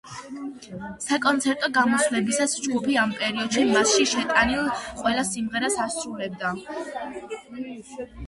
საკონცერტო გამოსვლებისას ჯგუფი ამ პერიოდში მასში შეტანილ ყველა სიმღერას ასრულებდა.